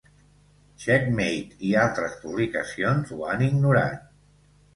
Checkmate i altres publicacions ho han ignorat.